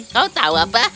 kau tahu apa